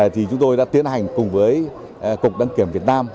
thì chúng tôi đã tiến hành cùng với cục đăng kiểm việt nam